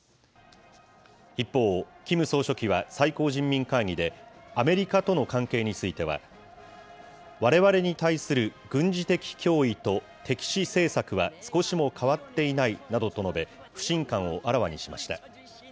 一方、キム総書記は最高人民会議で、アメリカとの関係については、われわれに対する軍事的脅威と敵視政策は少しも変わっていないなどと述べ、不信感をあらわにしました。